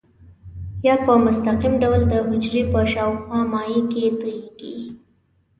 یا په مستقیم ډول د حجرې په شاوخوا مایع کې تویېږي.